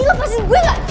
nih lepasin gue gak